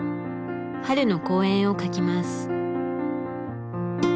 春の公園を描きます。